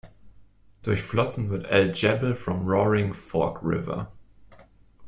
Durchflossen wird El Jebel vom Roaring Fork River.